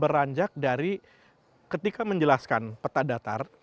beranjak dari ketika menjelaskan peta datar